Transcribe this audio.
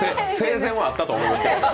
生前はあったと思いますけど。